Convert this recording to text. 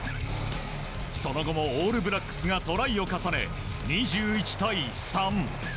その後もオールブラックスがトライを重ね２１対３。